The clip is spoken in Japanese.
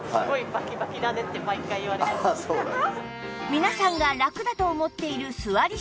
皆さんがラクだと思っている座り姿勢